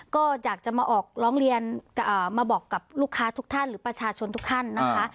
ก็อยากจะมาออกร้องเรียนมาบอกกับลูกค้าทุกท่านหรือประชาชนทุกท่านนะคะ